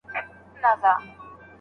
آیا د اوښ غاړه د آس تر غاړي اوږده ده؟